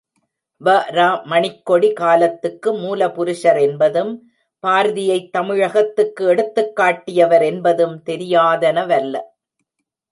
வ.ரா மணிக்கொடி காலத்துக்கு மூலபுருஷர் என்பதும், பார்தியைத் தமிழகத்துக்கு எடுத்துக்காட்டியவர் என்பதும் தெரியாதனவல்ல.